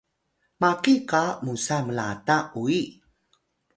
maki qa musa mlata uyi